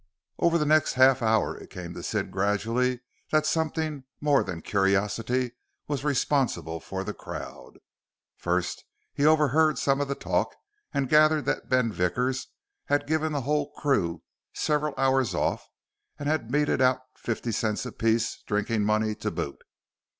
Over the next half hour it came to Sid gradually that something more than curiosity was responsible for this crowd. First, he overheard some of the talk and gathered that Ben Vickers had given the whole crew several hours off and had meted out fifty cents apiece drinking money to boot.